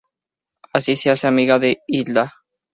Así se hace amiga de Hilda.